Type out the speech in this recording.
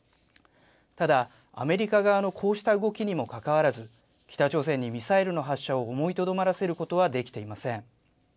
ただアメリカ側のこうした動きにもかかわらず、北朝鮮にミサイルの発射を思いとどまらせることはできていません。